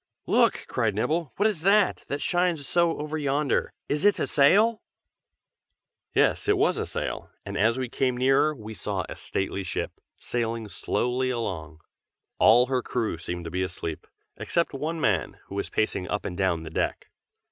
"Look!" cried Nibble. "What is that, that shines so over yonder? is it a sail?" Yes, it was a sail, and as we came nearer we saw a stately ship, sailing slowly along. All her crew seemed to be asleep, except one man, who was pacing up and down the deck.